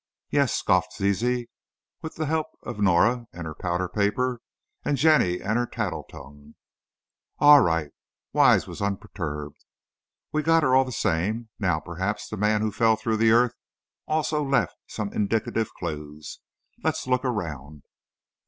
"Yes," scoffed Zizi, "with the help of Norah and her powder paper, and Jenny and her tattle tongue!" "All right," Wise was unperturbed; "we got her all the same. Now, perhaps the Man Who Fell Through the Earth also left some indicative clews. Let's look round."